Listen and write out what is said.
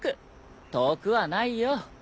遠くはないよ。